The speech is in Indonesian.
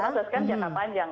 proses kan jangka panjang